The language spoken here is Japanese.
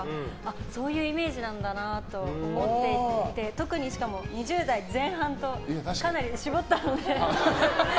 そういうイメージなんだなと思っていて特に２０代前半とかなり絞ったので。